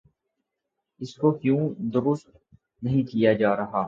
اس کو کیوں درست نہیں کیا جا رہا؟